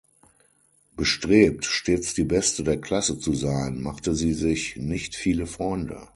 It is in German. Bestrebt, stets die Beste der Klasse zu sein, machte sie sich nicht viele Freunde.